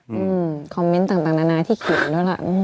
อือคอมเม้นต์ต่างน้าน๊ายที่เขียนด้วยล่ะ